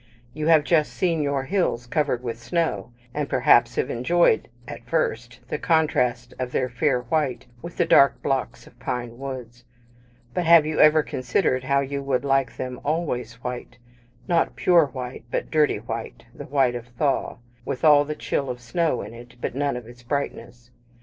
You have just seen your hills covered with snow, and, perhaps, have enjoyed, at first, the contrast of their fair white with the dark blocks of pine woods; but have you ever considered how you would like them always white not pure white, but dirty white the white of thaw, with all the chill of snow in it, but none of its brightness?